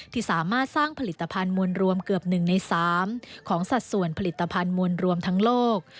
ที่สามารถสร้างผลิตภัณฑ์มวลรวมเกือบ๑ใน๓ของสัดส่วนผลิตภัณฑ์มวลรวมทั้งโลก